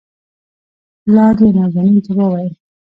پلار يې نازنين ته وويل